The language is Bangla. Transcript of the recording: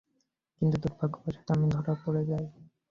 কিন্তু দূর্ভাগ্যবশত আমি ধরা পড়ে যাই।